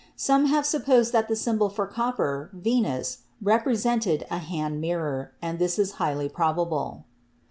Some have supposed that the symbol for copper, Venus, represented a hand mirror, and this is highly probable.